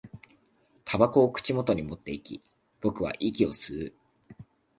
煙草を口元に持っていき、僕は息を吸う